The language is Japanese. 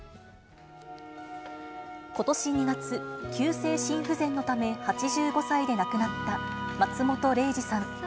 ことし２月、急性心不全のため８５歳で亡くなった松本零士さん。